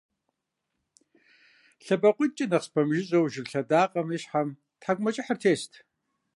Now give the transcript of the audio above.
ЛъэбакъуитхукӀэ нэхъ спэмыжыжьэу, жыг лъэдакъэм и щхьэм тхьэкӀумэкӀыхьыр тест.